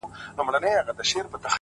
په زلفو ورا مه كوه مړ به مي كړې؛